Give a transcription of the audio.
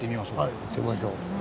はい行ってみましょう。